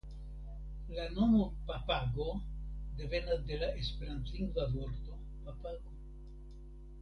La nomo "Papago" devenas de la esperantlingva vorto papago.